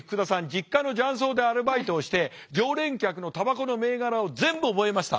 実家の雀荘でアルバイトをして常連客のたばこの銘柄を全部覚えました。